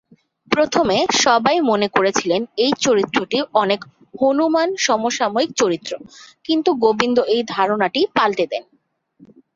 প্রথমে সবাই মনে করেছিলেন এই চরিত্রটি অনেক "হনুমান" সমসাময়িক চরিত্র, কিন্তু গোবিন্দ এই ধারনাটি পালটে দেন।